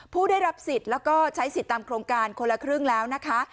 ผู้ได้รับสิทธิ์แล้วก็ใช้สิทธิ์ตามโครงการคนละครึ่งแล้วนะคะ